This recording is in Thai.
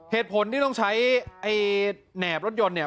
เหตุผลที่ต้องใช้แหนบรถยนต์